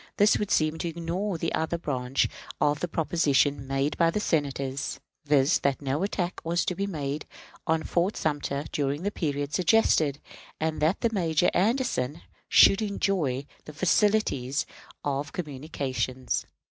This would seem to ignore the other branch of the proposition made by the Senators, viz., that no attack was to be made on Fort Sumter during the period suggested, and that Major Anderson should enjoy the facilities of communication, etc.